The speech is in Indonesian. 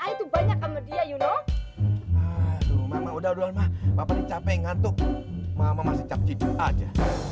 itu banyak sama dia you know udah udah mah mah pening capek ngantuk mama masih cip aja